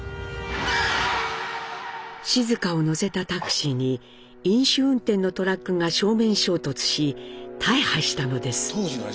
静香を乗せたタクシーに飲酒運転のトラックが正面衝突し大破したのです。